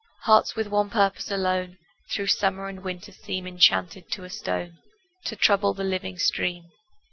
Hearts with one purpose alone Through summer and winter seem Enchanted to a stone To trouble the living stream.